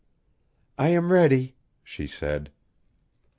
"I am ready," she said.